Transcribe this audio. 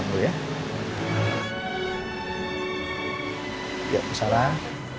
hati hati di jalan